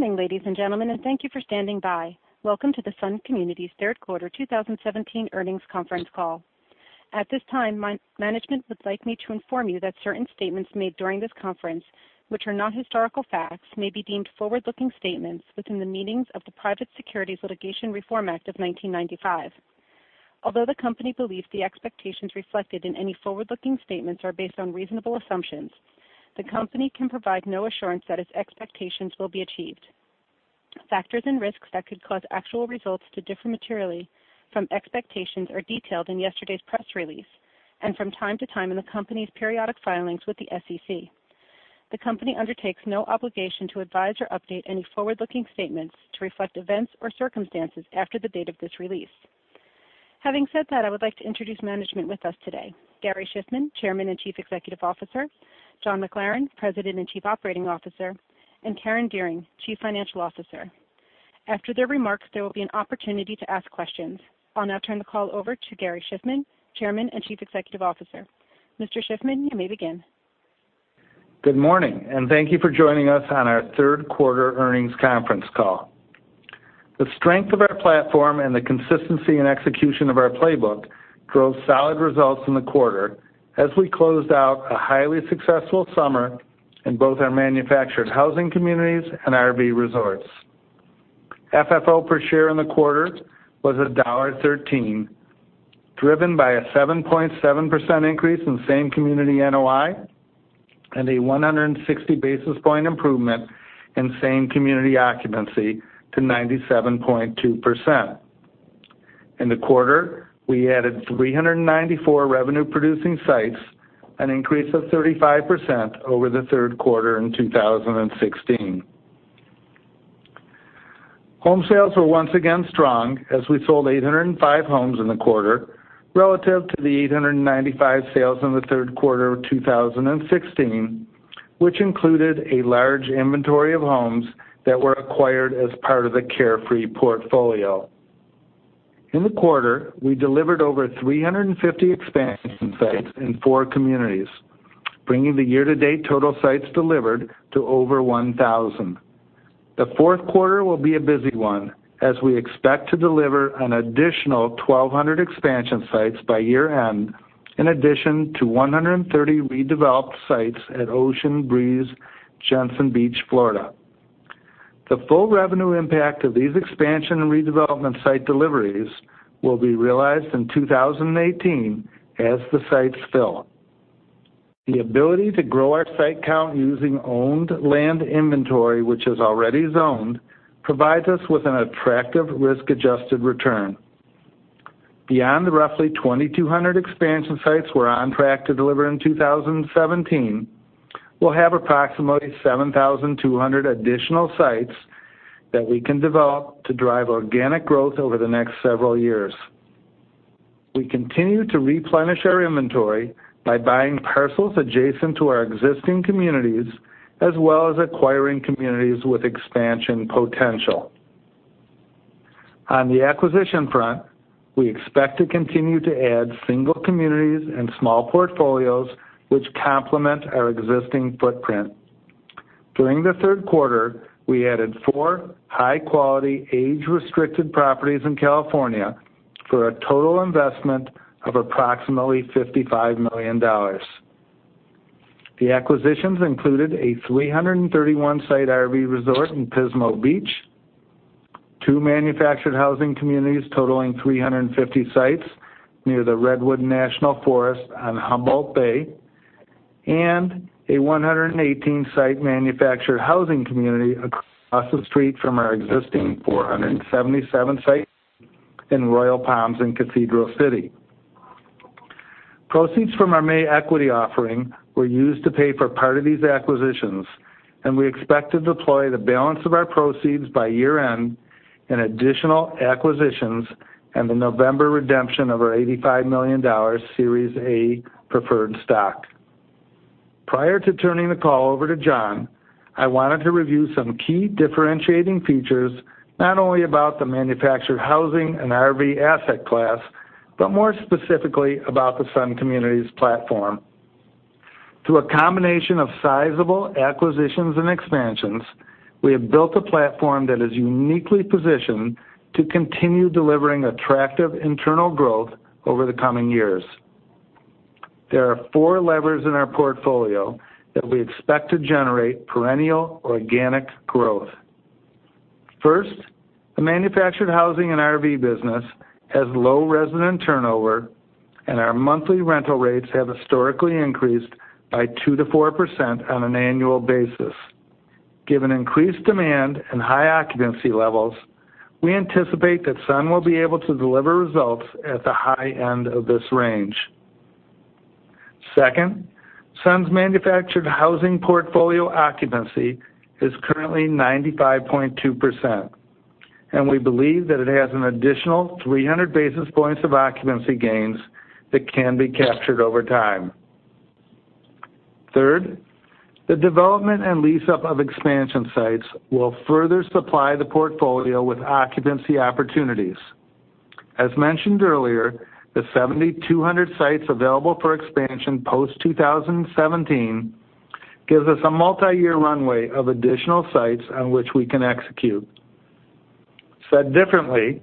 Good morning, ladies and gentlemen, and thank you for standing by. Welcome to the Sun Communities Third Quarter 2017 Earnings Conference Call. At this time, management would like me to inform you that certain statements made during this conference, which are not historical facts, may be deemed forward-looking statements within the meanings of the Private Securities Litigation Reform Act of 1995. Although the company believes the expectations reflected in any forward-looking statements are based on reasonable assumptions, the company can provide no assurance that its expectations will be achieved. Factors and risks that could cause actual results to differ materially from expectations are detailed in yesterday's press release and from time to time in the company's periodic filings with the SEC. The company undertakes no obligation to advise or update any forward-looking statements to reflect events or circumstances after the date of this release. Having said that, I would like to introduce management with us today, Gary Shiffman, Chairman and Chief Executive Officer, John McLaren, President and Chief Operating Officer, and Karen Dearing, Chief Financial Officer. After their remarks, there will be an opportunity to ask questions. I'll now turn the call over to Gary Shiffman, Chairman and Chief Executive Officer. Mr. Shiffman, you may begin. Good morning, and thank you for joining us on our third quarter earnings conference call. The strength of our platform and the consistency and execution of our playbook drove solid results in the quarter as we closed out a highly successful summer in both our manufactured housing communities and RV resorts. FFO per share in the quarter was $1.13, driven by a 7.7% increase in same-community NOI and a 160 basis point improvement in same-community occupancy to 97.2%. In the quarter, we added 394 revenue-producing sites, an increase of 35% over the third quarter in 2016. Home sales were once again strong as we sold 805 homes in the quarter, relative to the 895 sales in the third quarter of 2016, which included a large inventory of homes that were acquired as part of the Carefree portfolio. In the quarter, we delivered over 350 expansion sites in four communities, bringing the year-to-date total sites delivered to over 1,000. The fourth quarter will be a busy one, as we expect to deliver an additional 1,200 expansion sites by year-end, in addition to 130 redeveloped sites at Ocean Breeze, Jensen Beach, Florida. The full revenue impact of these expansion and redevelopment site deliveries will be realized in 2018 as the sites fill. The ability to grow our site count using owned land inventory, which is already zoned, provides us with an attractive risk-adjusted return. Beyond the roughly 2,200 expansion sites we're on track to deliver in 2017, we'll have approximately 7,200 additional sites that we can develop to drive organic growth over the next several years. We continue to replenish our inventory by buying parcels adjacent to our existing communities, as well as acquiring communities with expansion potential. On the acquisition front, we expect to continue to add single communities and small portfolios, which complement our existing footprint. During the third quarter, we added 4 high-quality, age-restricted properties in California for a total investment of approximately $55 million. The acquisitions included a 331-site RV resort in Pismo Beach, two manufactured housing communities totaling 350 sites near the Redwood National Forest on Humboldt Bay, and a 118-site manufactured housing community across the street from our existing 477-site in Royal Palms in Cathedral City. Proceeds from our May equity offering were used to pay for part of these acquisitions, and we expect to deploy the balance of our proceeds by year-end in additional acquisitions and the November redemption of our $85 million Series A Preferred Stock. Prior to turning the call over to John, I wanted to review some key differentiating features, not only about the manufactured housing and RV asset class, but more specifically about the Sun Communities platform. Through a combination of sizable acquisitions and expansions, we have built a platform that is uniquely positioned to continue delivering attractive internal growth over the coming years. There are four levers in our portfolio that we expect to generate perennial organic growth. First, the manufactured housing and RV business has low resident turnover, and our monthly rental rates have historically increased by 2%-4% on an annual basis. Given increased demand an high occupancy levels, we anticipate that Sun will be able to deliver results at the high end of this range. Second, Sun's manufactured housing portfolio occupancy is currently 95.2%, and we believe that it has an additional 300 basis points of occupancy gains that can be captured over time. Third, the development and lease-up of expansion sites will further supply the portfolio with occupancy opportunities.... As mentioned earlier, the 7,200 sites available for expansion post-2017 gives us a multiyear runway of additional sites on which we can execute. Said differently,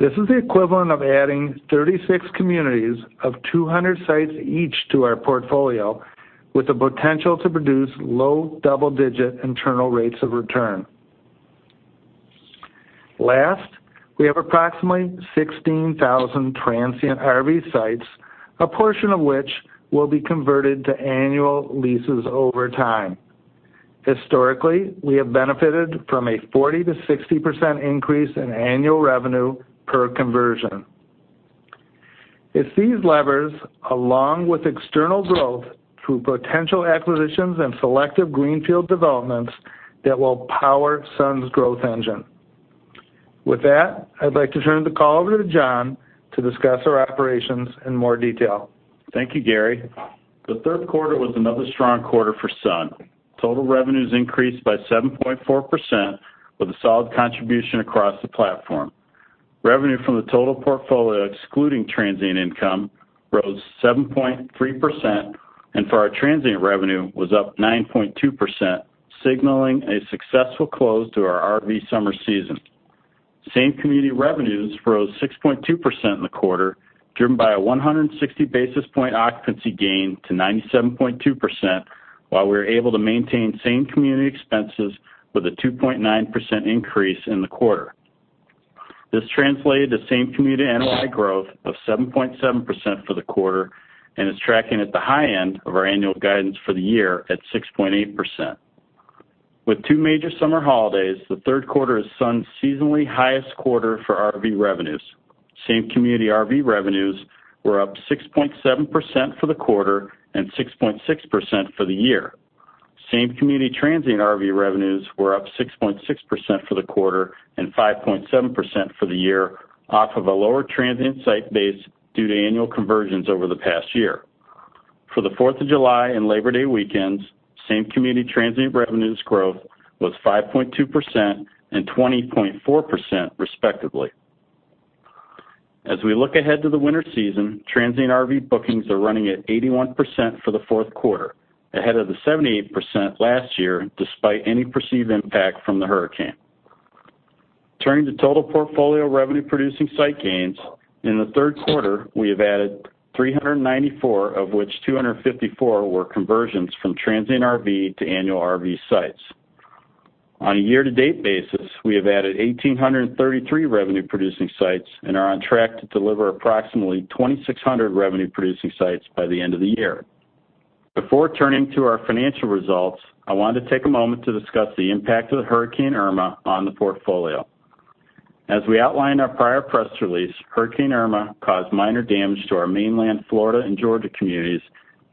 this is the equivalent of adding 36 communities of 200 sites each to our portfolio, with the potential to produce low double-digit internal rates of return. Last, we have approximately 16,000 transient RV sites, a portion of which will be converted to annual leases over time. Historically, we have benefited from a 40%-60% increase in annual revenue per conversion. It's these levers, along with external growth through potential acquisitions and selective greenfield developments, that will power Sun's growth engine. With that, I'd like to turn the call over to John to discuss our operations in more detail. Thank you, Gary. The third quarter was another strong quarter for Sun. Total revenues increased by 7.4%, with a solid contribution across the platform. Revenue from the total portfolio, excluding transient income, rose 7.3%, and for our transient revenue, was up 9.2%, signaling a successful close to our RV summer season. Same-community revenues rose 6.2% in the quarter, driven by a 160 basis point occupancy gain to 97.2%, while we were able to maintain same-community expenses with a 2.9% increase in the quarter. This translated to same-community NOI growth of 7.7% for the quarter and is tracking at the high end of our annual guidance for the year at 6.8%. With two major summer holidays, the third quarter is Sun's seasonally highest quarter for RV revenues. Same-community RV revenues were up 6.7% for the quarter and 6.6% for the year. Same-community transient RV revenues were up 6.6% for the quarter and 5.7% for the year, off of a lower transient site base due to annual conversions over the past year. For the Fourth of July and Labor Day weekends, same-community transient revenues growth was 5.2% and 20.4%, respectively. As we look ahead to the winter season, transient RV bookings are running at 81% for the fourth quarter, ahead of the 78% last year, despite any perceived impact from the hurricane. Turning to total portfolio revenue producing site gains, in the third quarter, we have added 394, of which 254 were conversions from transient RV to annual RV sites. On a year-to-date basis, we have added 1,833 revenue-producing sites and are on track to deliver approximately 2,600 revenue-producing sites by the end of the year. Before turning to our financial results, I wanted to take a moment to discuss the impact of Hurricane Irma on the portfolio. As we outlined in our prior press release, Hurricane Irma caused minor damage to our mainland Florida and Georgia communities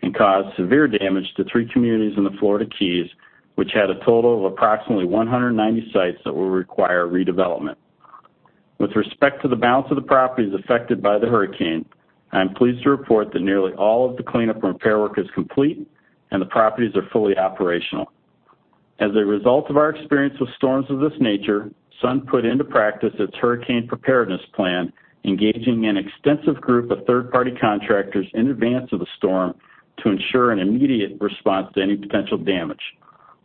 and caused severe damage to three communities in the Florida Keys, which had a total of approximately 190 sites that will require redevelopment. With respect to the balance of the properties affected by the hurricane, I am pleased to report that nearly all of the cleanup and repair work is complete and the properties are fully operational. As a result of our experience with storms of this nature, Sun put into practice its hurricane preparedness plan, engaging an extensive group of third-party contractors in advance of the storm to ensure an immediate response to any potential damage.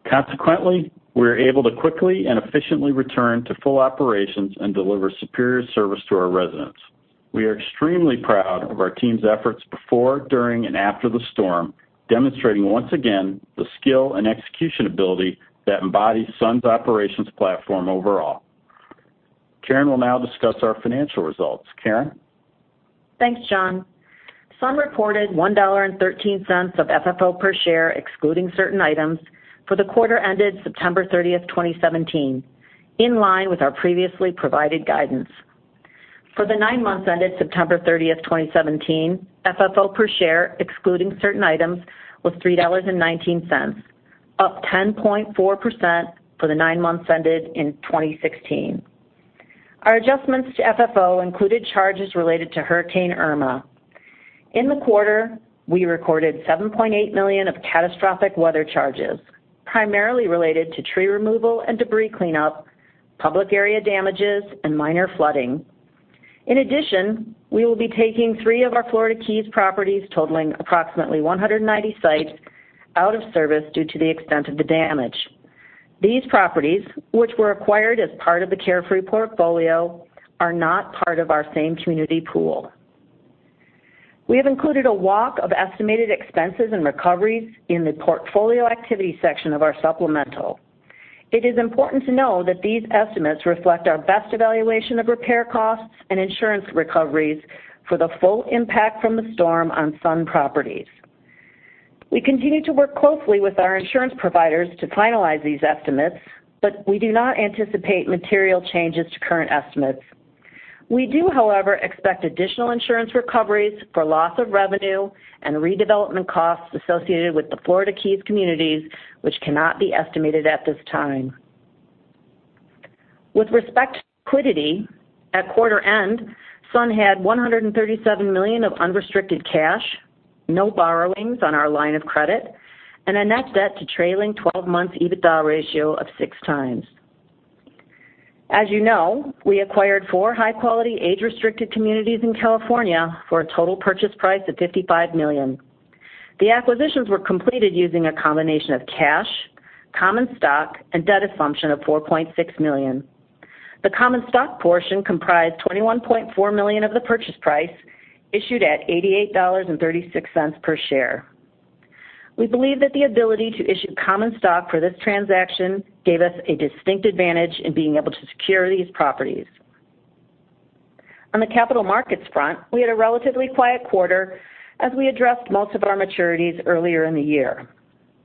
Consequently, we were able to quickly and efficiently return to full operations and deliver superior service to our residents. We are extremely proud of our team's efforts before, during, and after the storm, demonstrating once again the skill and execution ability that embodies Sun's operations platform overall. Karen will now discuss our financial results. Karen? Thanks, John. Sun reported $1.13 of FFO per share, excluding certain items, for the quarter ended September 30, 2017, in line with our previously provided guidance. For the nine months ended September 30, 2017, FFO per share, excluding certain items, was $3.19, up 10.4% for the nine months ended in 2016. Our adjustments to FFO included charges related to Hurricane Irma. In the quarter, we recorded $7.8 million of catastrophic weather charges, primarily related to tree removal and debris cleanup, public area damages, and minor flooding. In addition, we will be taking 3 of our Florida Keys properties, totaling approximately 190 sites, out of service due to the extent of the damage. These properties, which were acquired as part of the Carefree portfolio, are not part of our same-community pool. We have included a walk of estimated expenses and recoveries in the portfolio activity section of our supplemental. It is important to know that these estimates reflect our best evaluation of repair costs and insurance recoveries for the full impact from the storm on Sun properties. We continue to work closely with our insurance providers to finalize these estimates, but we do not anticipate material changes to current estimates. We do, however, expect additional insurance recoveries for loss of revenue and redevelopment costs associated with the Florida Keys communities, which cannot be estimated at this time. With respect to liquidity, at quarter end, Sun had $137 million of unrestricted cash, no borrowings on our line of credit, and a net debt to trailing twelve-month EBITDA ratio of 6x. As you know, we acquired four high-quality age-restricted communities in California for a total purchase price of $55 million. The acquisitions were completed using a combination of cash, common stock, and debt assumption of $4.6 million. The common stock portion comprised $21.4 million of the purchase price, issued at $88.36 per share. We believe that the ability to issue common stock for this transaction gave us a distinct advantage in being able to secure these properties. On the capital markets front, we had a relatively quiet quarter as we addressed most of our maturities earlier in the year.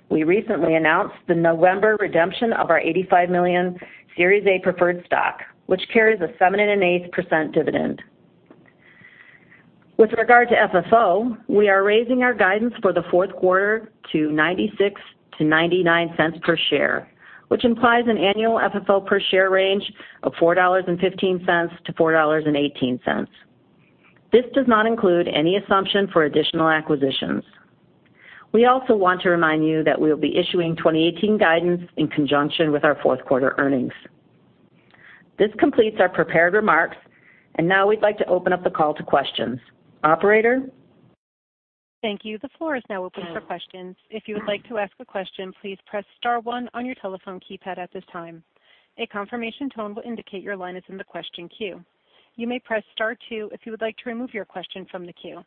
We recently announced the November redemption of our $85 million Series A preferred stock, which carries a 7.125% dividend. With regard to FFO, we are raising our guidance for the fourth quarter to $0.96-$0.99 per share, which implies an annual FFO per share range of $4.15-$4.18. This does not include any assumption for additional acquisitions. We also want to remind you that we will be issuing 2018 guidance in conjunction with our fourth quarter earnings. This completes our prepared remarks, and now we'd like to open up the call to questions. Operator? Thank you. The floor is now open for questions. If you would like to ask a question, please press star one on your telephone keypad at this time. A confirmation tone will indicate your line is in the question queue. You may press star two if you would like to remove your question from the queue.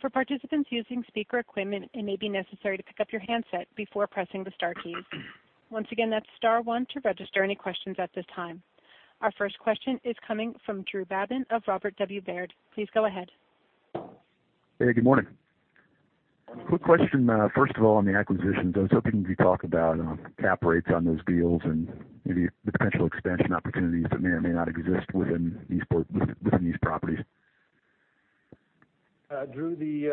For participants using speaker equipment, it may be necessary to pick up your handset before pressing the star key. Once again, that's star one to register any questions at this time. Our first question is coming from Drew Babin of Robert W. Baird. Please go ahead. Hey, good morning. Quick question, first of all, on the acquisitions, I was hoping you could talk about, cap rates on those deals and maybe the potential expansion opportunities that may or may not exist within these properties. Drew,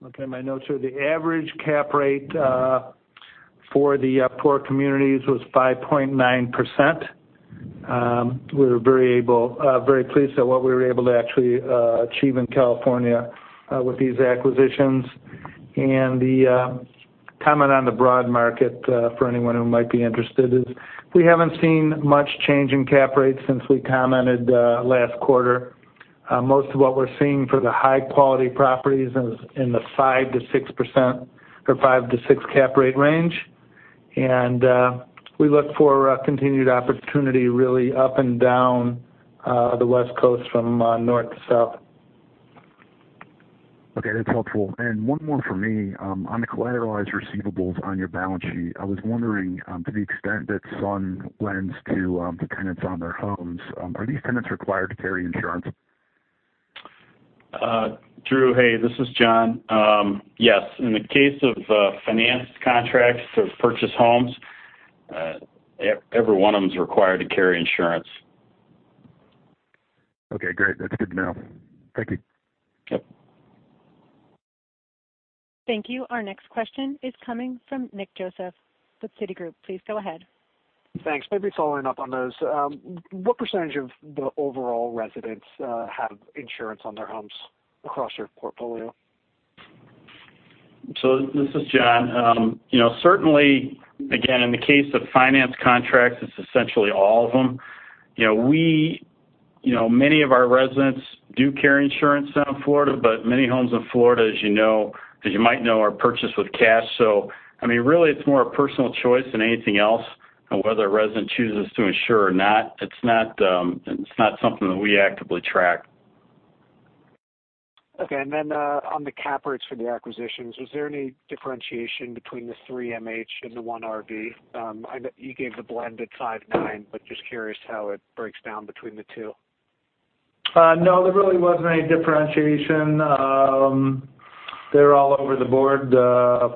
Looking at my notes here, the average cap rate for the four communities was 5.9%. We were very able, very pleased at what we were able to actually achieve in California with these acquisitions. And the comment on the broad market for anyone who might be interested is, we haven't seen much change in cap rates since we commented last quarter. Most of what we're seeing for the high-quality properties is in the 5%-6%, or five to six cap rate range. And we look for continued opportunity really up and down the West Coast from north to south. Okay, that's helpful. And one more for me. On the collateralized receivables on your balance sheet, I was wondering, to the extent that Sun lends to, the tenants on their homes, are these tenants required to carry insurance? Drew, hey, this is John. Yes, in the case of financed contracts to purchase homes, every one of them is required to carry insurance. Okay, great. That's good to know. Thank you. Yep. Thank you. Our next question is coming from Nick Joseph with Citigroup. Please go ahead. Thanks. Maybe following up on those, what percentage of the overall residents have insurance on their homes across your portfolio? So this is John. You know, certainly, again, in the case of financed contracts, it's essentially all of them. You know, we, you know, many of our residents do carry insurance down in Florida, but many homes in Florida, as you know, as you might know, are purchased with cash. So, I mean, really, it's more a personal choice than anything else on whether a resident chooses to insure or not. It's not, it's not something that we actively track. Okay. On the cap rates for the acquisitions, was there any differentiation between the three MH and the one RV? I know you gave the blended 5.9, but just curious how it breaks down between the two. No, there really wasn't any differentiation. They're all over the board,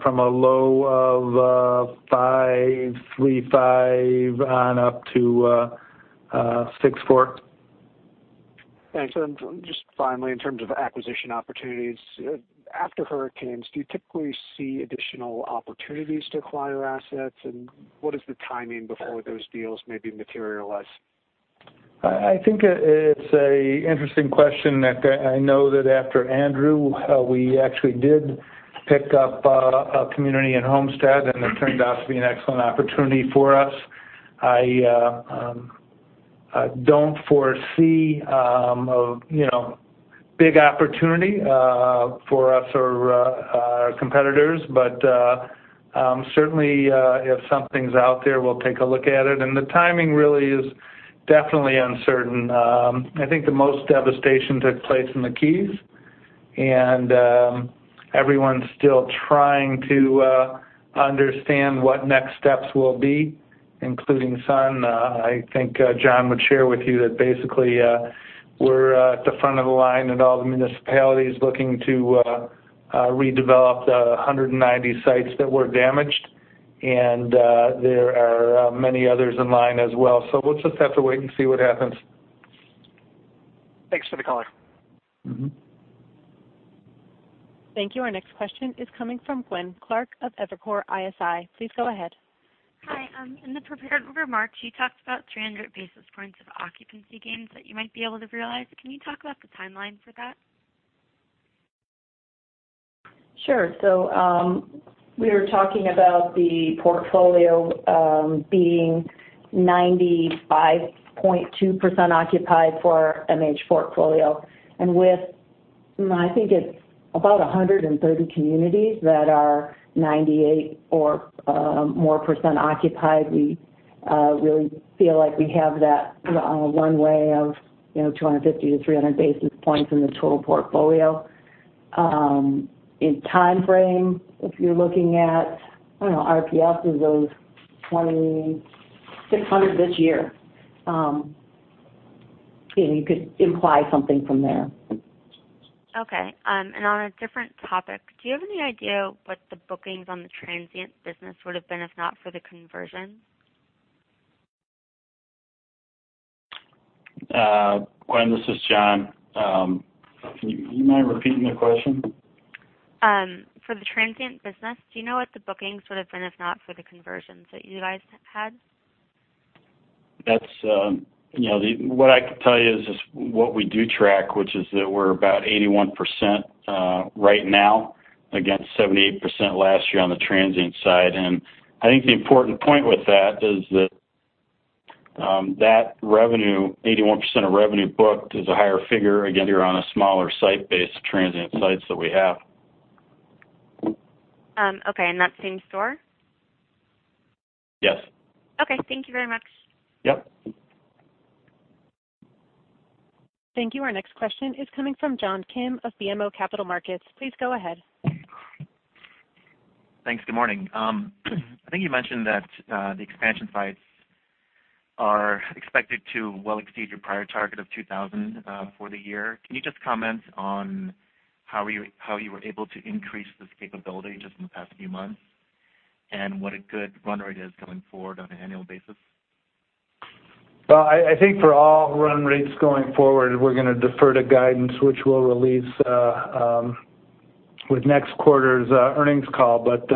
from a low of 5.35 up to 6.4. Thanks. Just finally, in terms of acquisition opportunities, after hurricanes, do you typically see additional opportunities to acquire assets? What is the timing before those deals maybe materialize? I think it's an interesting question that I know that after Andrew we actually did pick up a community in Homestead, and it turned out to be an excellent opportunity for us. I don't foresee a you know big opportunity for us or our competitors. But certainly if something's out there, we'll take a look at it. And the timing really is definitely uncertain. I think the most devastation took place in the Keys, and everyone's still trying to understand what next steps will be, including Sun. I think John would share with you that basically we're at the front of the line, and all the municipalities looking to redevelop the 190 sites that were damaged, and there are many others in line as well. So we'll just have to wait and see what happens. Thanks for the color. Mm-hmm. Thank you. Our next question is coming from Gwen Clark of Evercore ISI. Please go ahead. ... Hi, in the prepared remarks, you talked about 300 basis points of occupancy gains that you might be able to realize. Can you talk about the timeline for that? Sure. So, we were talking about the portfolio being 95.2% occupied for MH portfolio, and with, I think it's about 130 communities that are 98% or more occupied, we really feel like we have that runway of, you know, 250-300 basis points in the total portfolio. In time frame, if you're looking at, I don't know, RPS is those 2,600 this year. You know, you could imply something from there. Okay. On a different topic, do you have any idea what the bookings on the transient business would have been if not for the conversions? Gwen, this is John. Can you mind repeating the question? For the transient business, do you know what the bookings would have been if not for the conversions that you guys had? That's, you know, what I can tell you is what we do track, which is that we're about 81% right now, against 78% last year on the transient side. And I think the important point with that is that that revenue, 81% of revenue booked, is a higher figure, again, you're on a smaller site base, transient sites that we have. Okay, and that's same store? Yes. Okay. Thank you very much. Yep. Thank you. Our next question is coming from John Kim of BMO Capital Markets. Please go ahead. Thanks. Good morning. I think you mentioned that, the expansion sites are expected to well exceed your prior target of 2,000 for the year. Can you just comment on how you, how you were able to increase this capability just in the past few months, and what a good run rate is going forward on an annual basis? Well, I think for all run rates going forward, we're gonna defer to guidance, which we'll release with next quarter's earnings call. But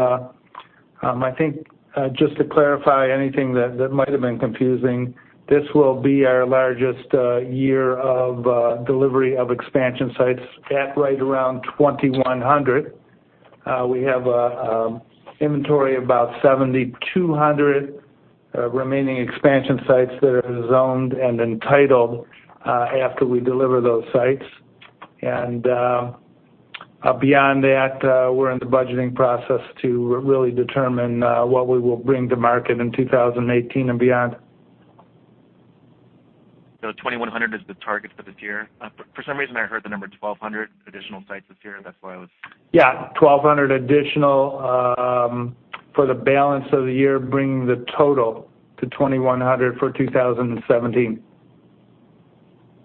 I think just to clarify anything that might have been confusing, this will be our largest year of delivery of expansion sites at right around 2,100. We have a inventory about 7,200 remaining expansion sites that are zoned and entitled after we deliver those sites. And beyond that, we're in the budgeting process to really determine what we will bring to market in 2018 and beyond. So 2,100 is the target for this year? But for some reason, I heard the number 1,200 additional sites this year, and that's why I was- Yeah, 1,200 additional, for the balance of the year, bringing the total to 2,100 for 2017.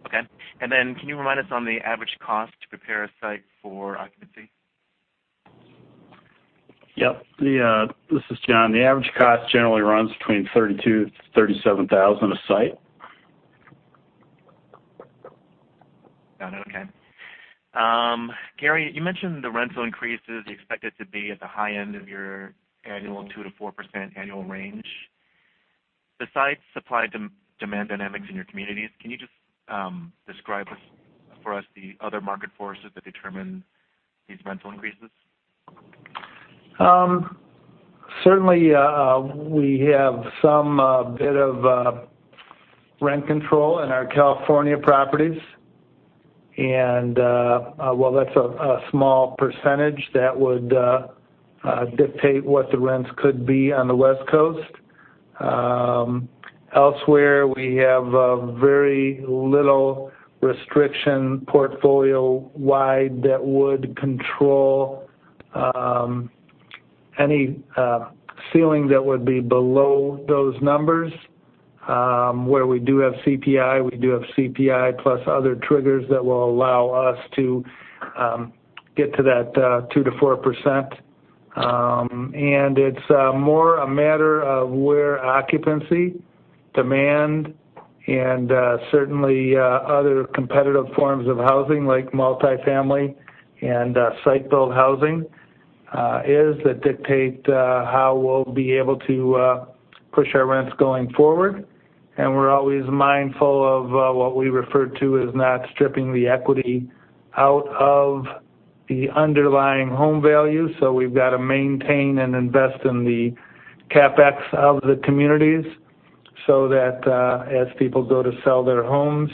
Okay. And then, can you remind us on the average cost to prepare a site for occupancy? Yep. This is John. The average cost generally runs between $32,000-$37,000 a site. Got it. Okay. Gary, you mentioned the rental increases expected to be at the high end of your annual 2%-4% annual range. Besides supply-demand dynamics in your communities, can you just describe for us the other market forces that determine these rental increases? Certainly, we have some bit of rent control in our California properties, and well, that's a small percentage that would dictate what the rents could be on the West Coast. Elsewhere, we have very little restriction portfolio-wide that would control any ceiling that would be below those numbers. Where we do have CPI, we do have CPI, plus other triggers that will allow us to get to that 2%-4%. And it's more a matter of where occupancy, demand, and certainly other competitive forms of housing, like multifamily and site-built housing is, that dictate how we'll be able to push our rents going forward. And we're always mindful of what we refer to as not stripping the equity out of the underlying home value. So we've got to maintain and invest in the CapEx of the communities so that as people go to sell their homes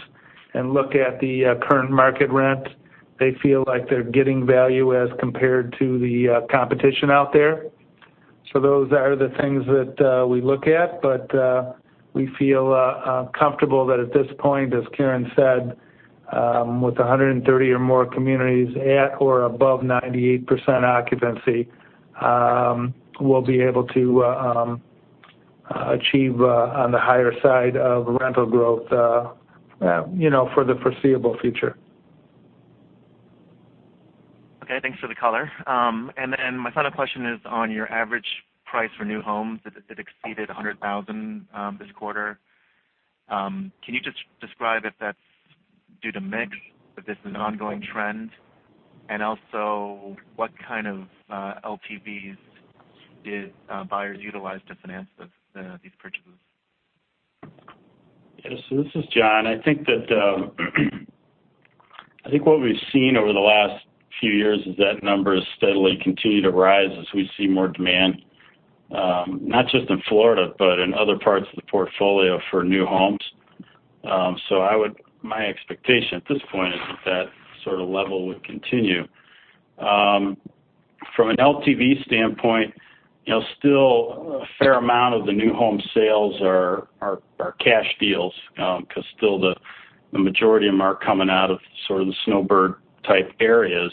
and look at the current market rent, they feel like they're getting value as compared to the competition out there. So those are the things that we look at, but we feel comfortable that at this point, as Karen said, with 130 or more communities at or above 98% occupancy, we'll be able to achieve on the higher side of rental growth, you know, for the foreseeable future. Okay, thanks for the color. And then my final question is on your average price for new homes. It exceeded $100,000 this quarter. Can you just describe if that's due to mix, if this is an ongoing trend, and also, what kind of, LTVs did, buyers utilize to finance this, these purchases? Yes, so this is John. I think that, I think what we've seen over the last few years is that number has steadily continued to rise as we see more demand, not just in Florida, but in other parts of the portfolio for new homes. So my expectation at this point is that, that sort of level would continue. From an LTV standpoint, you know, still a fair amount of the new home sales are cash deals, 'cause still the majority of them are coming out of sort of the snowbird-type areas.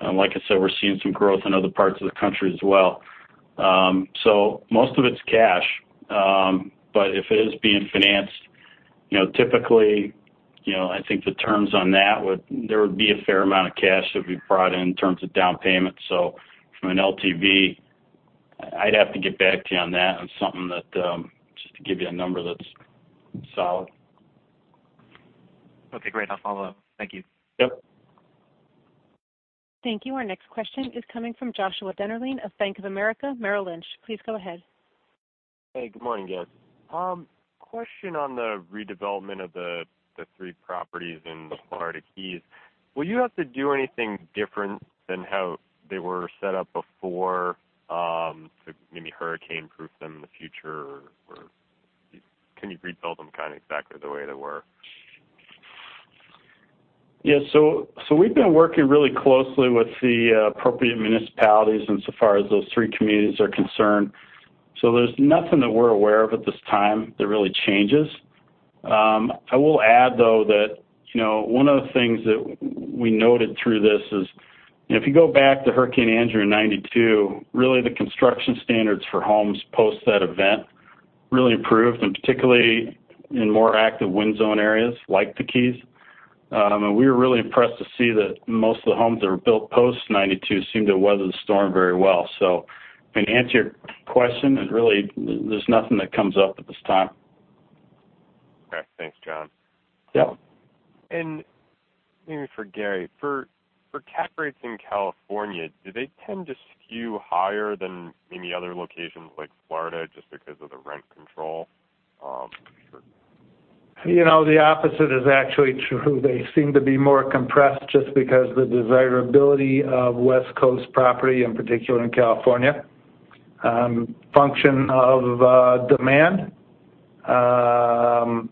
And like I said, we're seeing some growth in other parts of the country as well. So most of it's cash, but if it is being financed, you know, typically, you know, I think the terms on that would... There would be a fair amount of cash that would be brought in, in terms of down payment. So from an LTV, I'd have to get back to you on that. It's something that, just to give you a number that's solid. Okay, great. I'll follow up. Thank you. Yep. Thank you. Our next question is coming from Joshua Dennerlein of Bank of America Merrill Lynch. Please go ahead. Hey, good morning, guys. Question on the redevelopment of the three properties in the Florida Keys. Will you have to do anything different than how they were set up before, to maybe hurricane-proof them in the future? Or can you rebuild them kind of exactly the way they were? Yeah, so we've been working really closely with the appropriate municipalities insofar as those three communities are concerned, so there's nothing that we're aware of at this time that really changes. I will add, though, that you know, one of the things that we noted through this is, you know, if you go back to Hurricane Andrew in 1992, really the construction standards for homes post that event really improved, and particularly in more active wind zone areas like the Keys. And we were really impressed to see that most of the homes that were built post 1992 seemed to weather the storm very well. So to answer your question, and really, there's nothing that comes up at this time. Okay, thanks, John. Yep. And maybe for Gary: For cap rates in California, do they tend to skew higher than maybe other locations like Florida, just because of the rent control, for- You know, the opposite is actually true. They seem to be more compressed just because the desirability of West Coast property, in particular in California, function of demand. And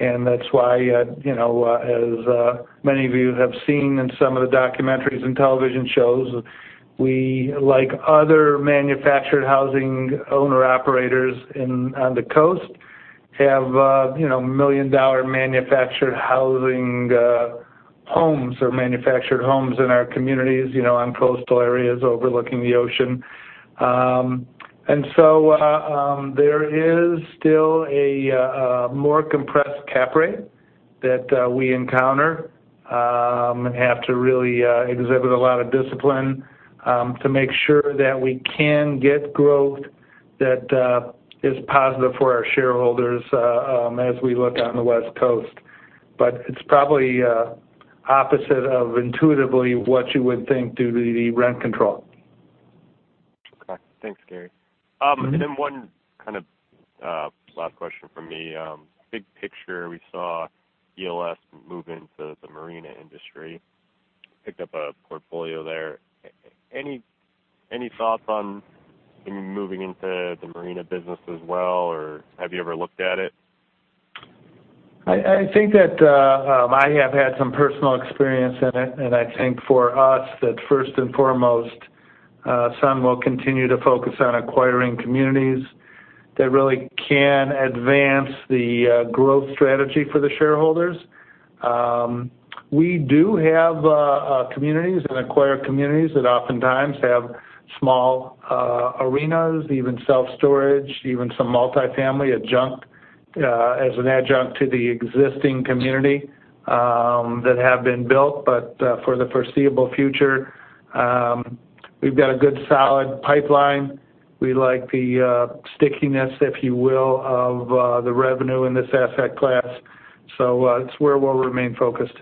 that's why, you know, as many of you have seen in some of the documentaries and television shows, we, like other manufactured housing owner-operators on the coast, have, you know, million-dollar manufactured housing homes or manufactured homes in our communities, you know, on coastal areas overlooking the ocean. And so, there is still a more compressed cap rate that we encounter, and have to really exhibit a lot of discipline, to make sure that we can get growth that is positive for our shareholders, as we look on the West Coast. But it's probably opposite of intuitively what you would think due to the rent control. Okay. Thanks, Gary. Mm-hmm. And then one kind of last question from me. Big picture, we saw ELS move into the marina industry, picked up a portfolio there. Any, any thoughts on maybe moving into the marina business as well, or have you ever looked at it? I think that I have had some personal experience in it, and I think for us, that first and foremost, some will continue to focus on acquiring communities that really can advance the growth strategy for the shareholders. We do have communities and acquire communities that often times have small arenas, even self-storage, even some multifamily adjunct, as an adjunct to the existing community, that have been built. But for the foreseeable future, we've got a good, solid pipeline. We like the stickiness, if you will, of the revenue in this asset class, so it's where we'll remain focused.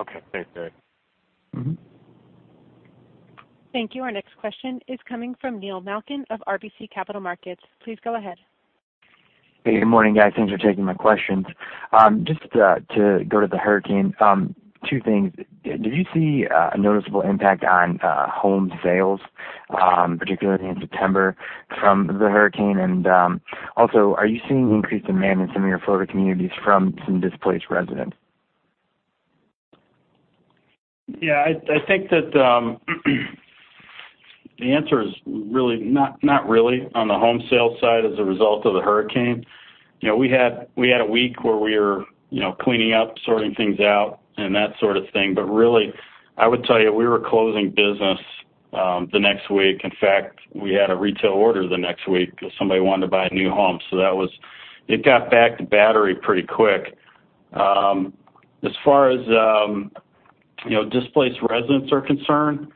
Okay. Thanks, Gary. Mm-hmm. Thank you. Our next question is coming from Neil Malkin of RBC Capital Markets. Please go ahead. Hey, good morning, guys. Thanks for taking my questions. Just to go to the hurricane, two things: Did you see a noticeable impact on home sales, particularly in September, from the hurricane? Also, are you seeing increased demand in some of your Florida communities from some displaced residents? Yeah, I think that the answer is really not really on the home sales side as a result of the hurricane. You know, we had a week where we were, you know, cleaning up, sorting things out, and that sort of thing. But really, I would tell you, we were closing business the next week. In fact, we had a retail order the next week because somebody wanted to buy a new home, so that was... It got back to battery pretty quick. As far as,... you know, displaced residents are concerned,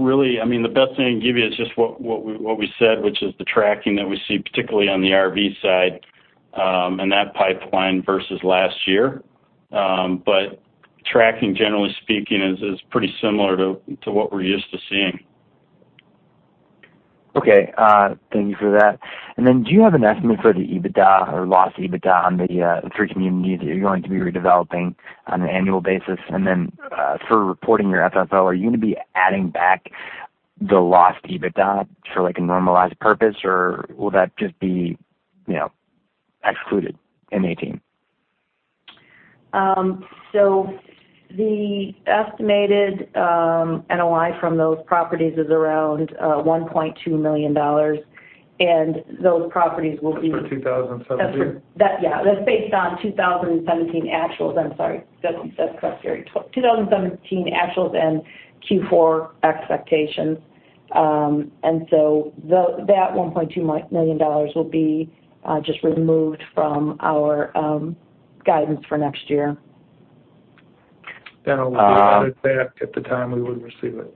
really, I mean, the best thing I can give you is just what we said, which is the tracking that we see, particularly on the RV side, and that pipeline versus last year. But tracking, generally speaking, is pretty similar to what we're used to seeing. Okay, thank you for that. And then do you have an estimate for the EBITDA or lost EBITDA on the three communities that you're going to be redeveloping on an annual basis? And then, for reporting your FFO, are you gonna be adding back the lost EBITDA for, like, a normalized purpose, or will that just be, you know, excluded in 2018? So the estimated NOI from those properties is around $1.2 million, and those properties will be- That's for 2017. That, yeah, that's based on 2017 actuals. I'm sorry. That's, that's correct, Gary. 2017 actuals and Q4 expectations. And so that $1.2 million will be just removed from our guidance for next year. That'll be added back at the time we would receive it.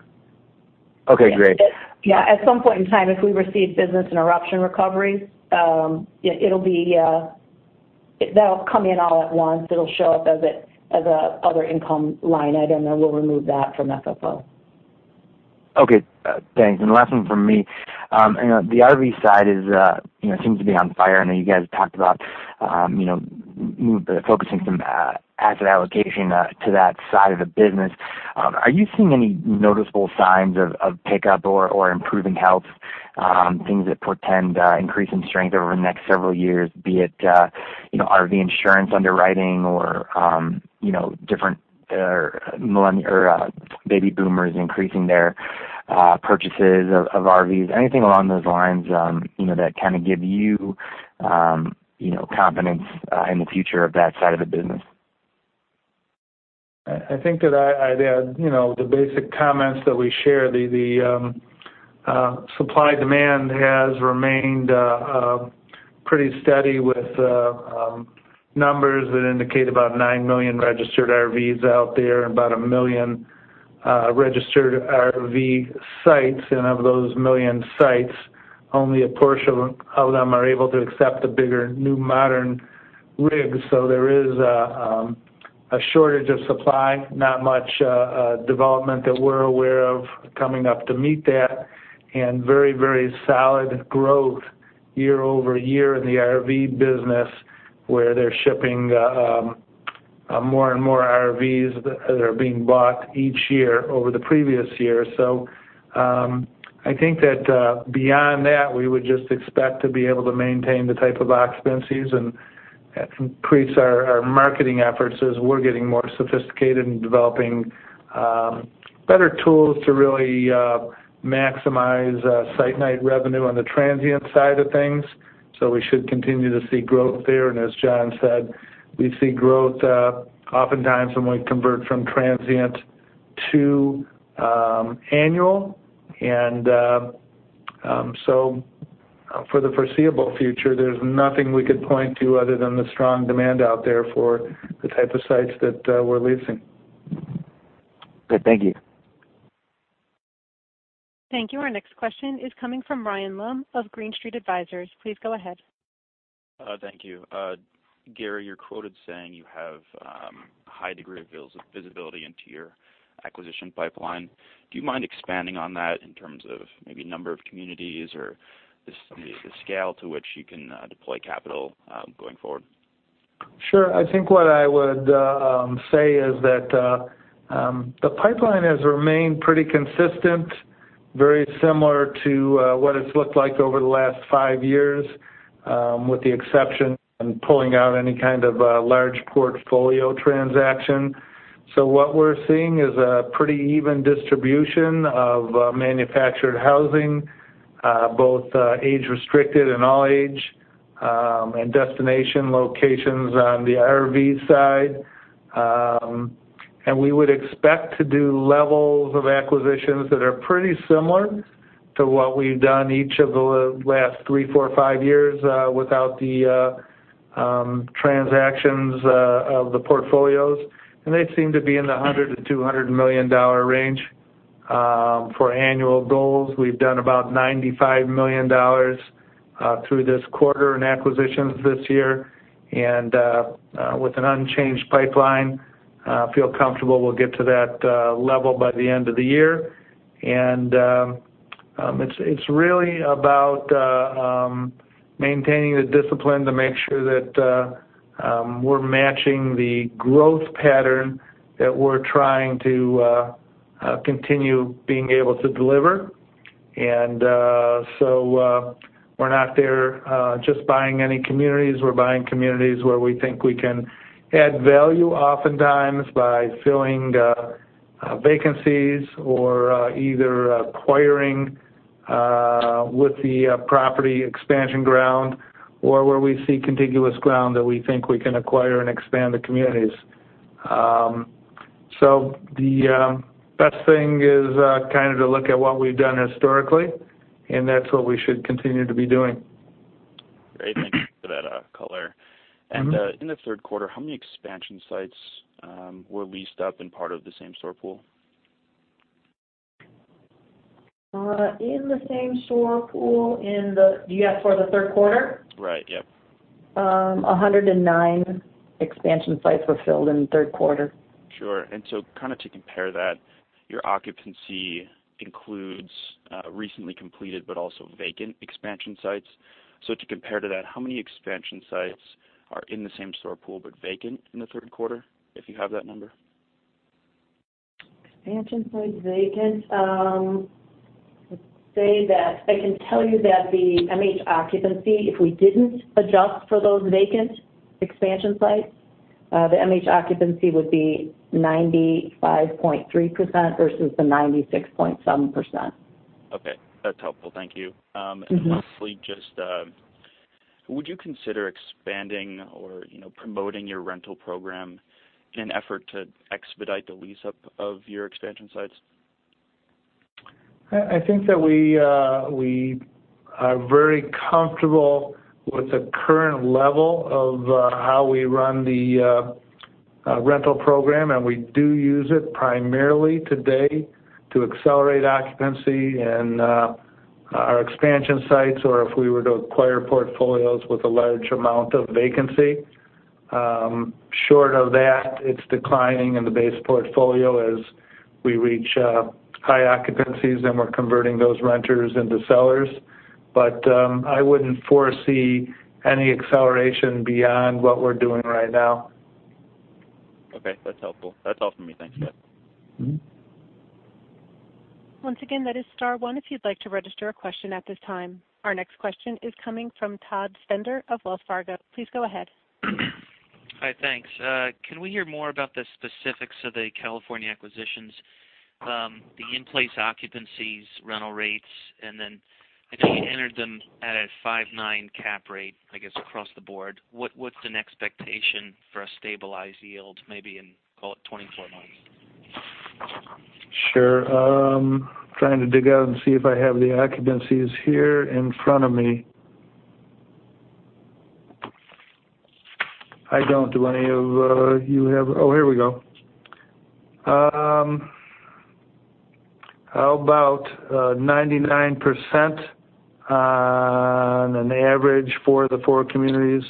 Okay, great. Yeah, at some point in time, if we receive business interruption recovery, that'll come in all at once. It'll show up as other income line item, and we'll remove that from FFO. Okay, thanks. Last one from me. The RV side is, you know, seems to be on fire. I know you guys talked about, you know, focusing some asset allocation to that side of the business. Are you seeing any noticeable signs of pickup or improving health, things that portend increase in strength over the next several years, be it, you know, RV insurance underwriting or, you know, different millennials or baby boomers increasing their purchases of RVs? Anything along those lines, you know, that kind of give you, you know, confidence in the future of that side of the business? I think that, you know, the basic comments that we share, the supply-demand has remained pretty steady with numbers that indicate about 9 million registered RVs out there and about 1 million registered RV sites. And of those 1 million sites, only a portion of them are able to accept the bigger, new, modern rigs. So there is a shortage of supply, not much development that we're aware of coming up to meet that, and very, very solid growth year-over-year in the RV business, where they're shipping more and more RVs that are being bought each year over the previous year. So, I think that, beyond that, we would just expect to be able to maintain the type of occupancies, and that completes our marketing efforts as we're getting more sophisticated in developing better tools to really maximize site night revenue on the transient side of things. So we should continue to see growth there, and as John said, we see growth oftentimes when we convert from transient to annual. So for the foreseeable future, there's nothing we could point to other than the strong demand out there for the type of sites that we're leasing. Good. Thank you. Thank you. Our next question is coming from Ryan Lumb of Green Street Advisors. Please go ahead. Thank you. Gary, you're quoted saying you have a high degree of visibility into your acquisition pipeline. Do you mind expanding on that in terms of maybe number of communities or the scale to which you can deploy capital going forward? Sure. I think what I would say is that the pipeline has remained pretty consistent, very similar to what it's looked like over the last 5 years, with the exception in pulling out any kind of a large portfolio transaction. So what we're seeing is a pretty even distribution of manufactured housing, both age-restricted and all age, and destination locations on the RV side. And we would expect to do levels of acquisitions that are pretty similar to what we've done each of the last 3, 4, 5 years, without the transactions of the portfolios. And they seem to be in the $100-$200 million range for annual goals. We've done about $95 million through this quarter in acquisitions this year, and with an unchanged pipeline, feel comfortable we'll get to that level by the end of the year. And it's really about maintaining the discipline to make sure that we're matching the growth pattern that we're trying to continue being able to deliver. And so we're not there just buying any communities. We're buying communities where we think we can add value, oftentimes by filling vacancies or either acquiring with the property expansion ground or where we see contiguous ground that we think we can acquire and expand the communities. So the best thing is kind of to look at what we've done historically, and that's what we should continue to be doing.... Great, thank you for that, color. And, in the third quarter, how many expansion sites were leased up in part of the same-store pool? In the same-store pool, do you ask for the third quarter? Right. Yep. 109 expansion sites were filled in the third quarter. Sure. And so kind of to compare that, your occupancy includes, recently completed, but also vacant expansion sites. So to compare to that, how many expansion sites are in the same-store pool, but vacant in the third quarter, if you have that number? Expansion sites vacant, let's say that I can tell you that the MH occupancy, if we didn't adjust for those vacant expansion sites, the MH occupancy would be 95.3% versus the 96.7%. Okay, that's helpful. Thank you. Mm-hmm. And then lastly, just, would you consider expanding or, you know, promoting your rental program in an effort to expedite the lease-up of your expansion sites? I think that we are very comfortable with the current level of how we run the rental program, and we do use it primarily today to accelerate occupancy in our expansion sites, or if we were to acquire portfolios with a large amount of vacancy. Short of that, it's declining in the base portfolio as we reach high occupancies, and we're converting those renters into sellers. But I wouldn't foresee any acceleration beyond what we're doing right now. Okay, that's helpful. That's all for me. Thanks, guys. Mm-hmm. Once again, that is star one, if you'd like to register a question at this time. Our next question is coming from Todd Stender of Wells Fargo. Please go ahead. Hi, thanks. Can we hear more about the specifics of the California acquisitions, the in-place occupancies, rental rates, and then I know you entered them at a 5.9 cap rate, I guess, across the board. What's an expectation for a stabilized yield, maybe in, call it 24 months? Sure. Trying to dig out and see if I have the occupancies here in front of me. I don't. Do any of you have... Oh, here we go. How about 99% on an average for the four communities?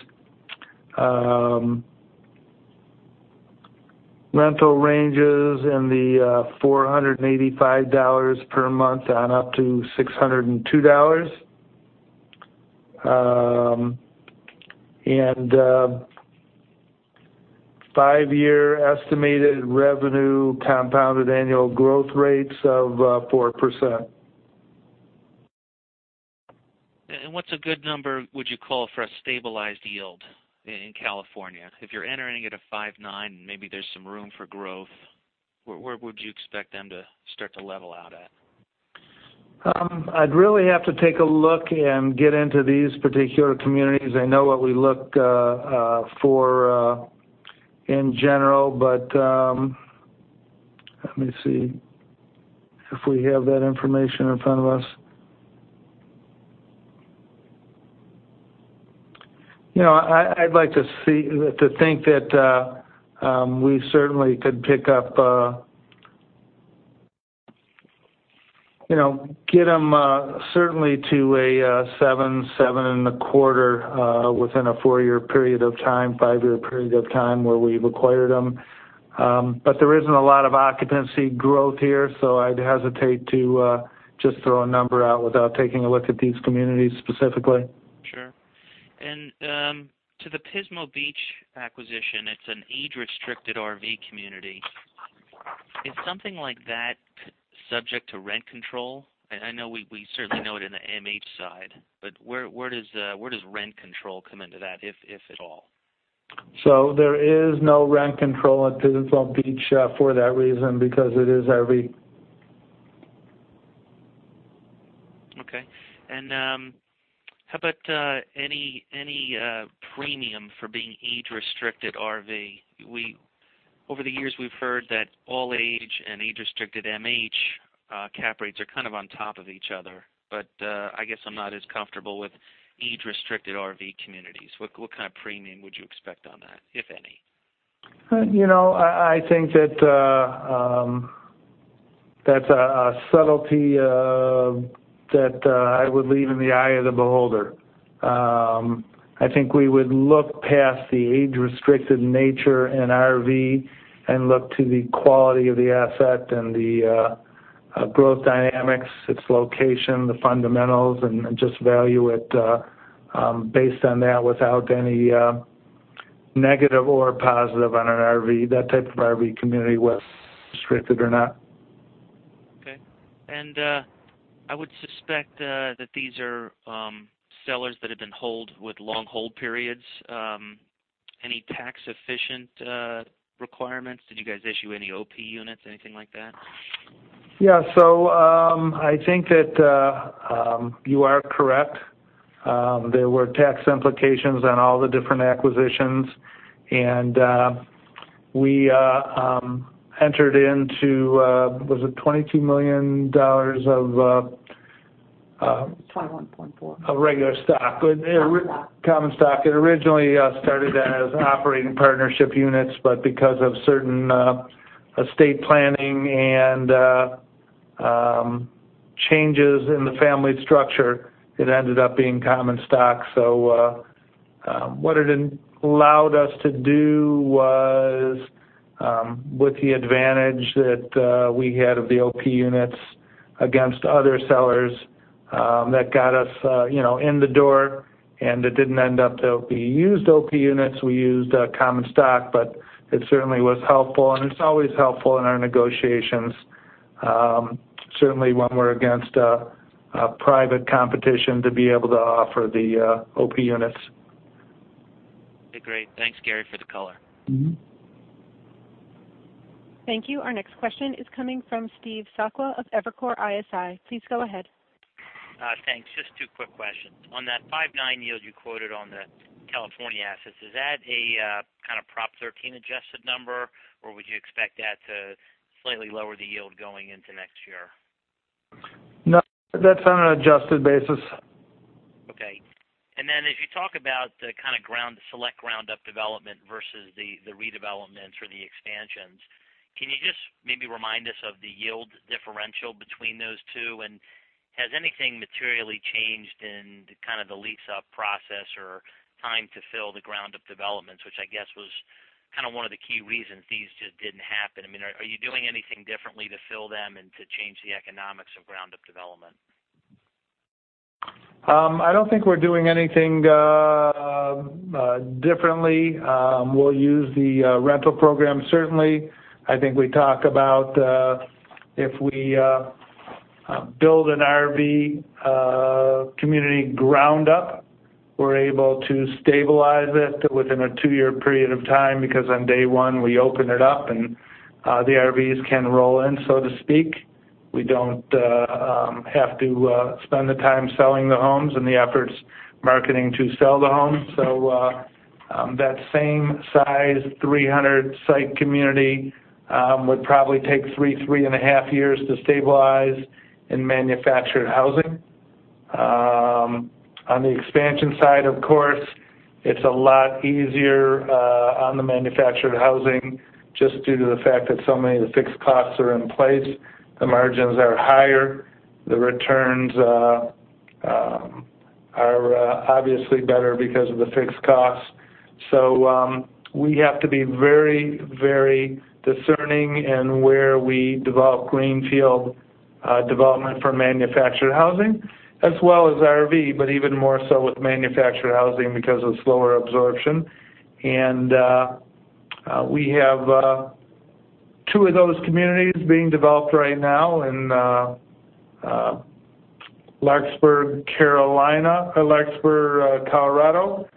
Rental ranges in the $485 per month on up to $602. And 5-year estimated revenue compounded annual growth rates of 4%. What's a good number would you call for a stabilized yield in, in California? If you're entering at a 5.9, maybe there's some room for growth, where, where would you expect them to start to level out at? I'd really have to take a look and get into these particular communities. I know what we look for in general, but let me see if we have that information in front of us. You know, I'd like to think that we certainly could pick up, you know, get them certainly to 7-7.25 within a 4-year period of time, 5-year period of time, where we've acquired them. But there isn't a lot of occupancy growth here, so I'd hesitate to just throw a number out without taking a look at these communities specifically. Sure. And to the Pismo Beach acquisition, it's an age-restricted RV community. Is something like that subject to rent control? I know we certainly know it in the MH side, but where does rent control come into that, if at all? There is no rent control at Pismo Beach, for that reason, because it is RV. Okay. And, how about, any, any, premium for being age-restricted RV? Over the years, we've heard that all age and age-restricted MH, cap rates are kind of on top of each other, but, I guess I'm not as comfortable with age-restricted RV communities. What, what kind of premium would you expect on that, if any? You know, I think that that's a subtlety that I would leave in the eye of the beholder. I think we would look past the age-restricted nature in RV and look to the quality of the asset and the growth dynamics, its location, the fundamentals, and just value it based on that without any negative or positive on an RV, that type of RV community, whether restricted or not. Okay. I would suspect that these are sellers that have been holding with long hold periods. Any tax-efficient requirements? Did you guys issue any OP units, anything like that? Yeah. So, I think that you are correct. There were tax implications on all the different acquisitions, and we entered into, was it $22 million of- 21.4. Of regular stock. Common stock. Common stock. It originally started as operating partnership units, but because of certain estate planning and changes in the family structure, it ended up being common stock. So, what it allowed us to do was, with the advantage that we had of the OP units against other sellers, that got us, you know, in the door, and it didn't end up to be used OP units. We used common stock, but it certainly was helpful, and it's always helpful in our negotiations, certainly when we're against a private competition, to be able to offer the OP units. Okay, great. Thanks, Gary, for the color. Mm-hmm. Thank you. Our next question is coming from Steve Sakwa of Evercore ISI. Please go ahead. Thanks. Just two quick questions. On that 5.9 yield you quoted on the California assets, is that a kind of Prop 13 adjusted number, or would you expect that to slightly lower the yield going into next year? No, that's on an adjusted basis. Okay. And then, as you talk about the kind of ground select ground-up development versus the redevelopments or the expansions, can you just maybe remind us of the yield differential between those two? And has anything materially changed in the kind of the lease-up process or time to fill the ground-up developments, which I guess was kind of one of the key reasons these just didn't happen? I mean, are you doing anything differently to fill them and to change the economics of ground-up development? I don't think we're doing anything differently. We'll use the rental program, certainly. I think we talk about if we build an RV community ground up, we're able to stabilize it within a 2-year period of time because on day one, we open it up, and the RVs can roll in, so to speak. We don't have to spend the time selling the homes and the efforts marketing to sell the homes. So, that same size, 300-site community, would probably take 3-3.5 years to stabilize in manufactured housing. On the expansion side, of course, it's a lot easier on the manufactured housing, just due to the fact that so many of the fixed costs are in place. The margins are higher, the returns are obviously better because of the fixed costs. So, we have to be very, very discerning in where we develop greenfield development for manufactured housing, as well as RV, but even more so with manufactured housing because of slower absorption. We have 2 of those communities being developed right now in Larkspur, Carolina, Larkspur, Colorado,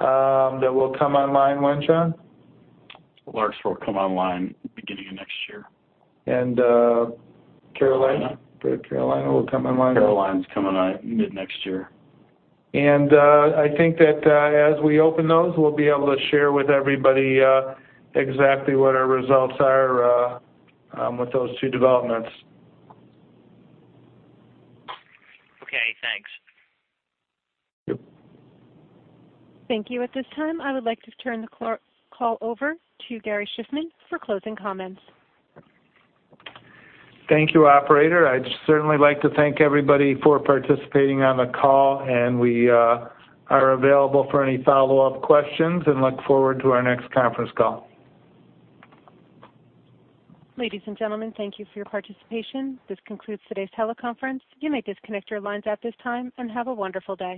that will come online when, John? Larkspur will come online beginning of next year. Carolina? Carolina. Carolina will come online- Carolina's coming out mid-next year. I think that as we open those, we'll be able to share with everybody exactly what our results are with those two developments. Okay, thanks. Thank you. Thank you. At this time, I would like to turn the call over to Gary Shiffman for closing comments. Thank you, operator. I'd certainly like to thank everybody for participating on the call, and we are available for any follow-up questions and look forward to our next conference call. Ladies and gentlemen, thank you for your participation. This concludes today's teleconference. You may disconnect your lines at this time, and have a wonderful day.